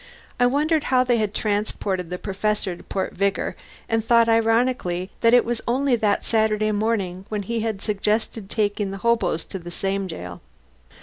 I wondered how they had transported the Professor to Port Vigor, and thought ironically that it was only that Saturday morning when he had suggested taking the hoboes to the same jail.